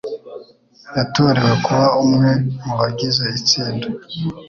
Yatorewe kuba umwe mu bagize itsinda.